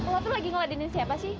lo tuh lagi ngeladenin siapa sih